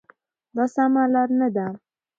دا سمه لار نه ده.